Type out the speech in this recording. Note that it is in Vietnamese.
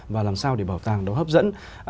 và làm sao để bảo tàng đó hấp dẫn